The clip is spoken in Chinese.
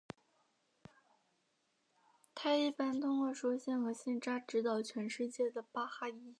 它一般通过书信和信札指导全世界的巴哈伊。